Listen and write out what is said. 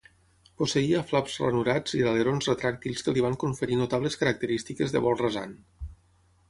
Posseïa flaps ranurats i alerons retràctils que li van conferir notables característiques de vol rasant.